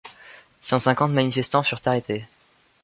Cent cinquante manifestants furent arrêtés.